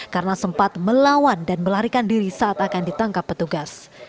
karena sempat melawan dan melarikan diri saat akan ditangkap petugas